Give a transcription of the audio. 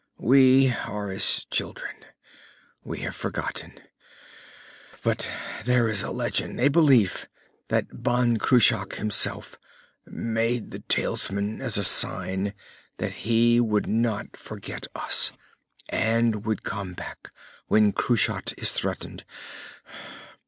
"We are as children. We have forgotten. But there is a legend, a belief that Ban Cruach himself made the talisman as a sign that he would not forget us, and would come back when Kushat is threatened.